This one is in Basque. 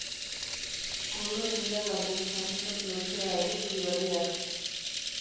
Kolore miragarriz janzten du etxea eguzki berriak.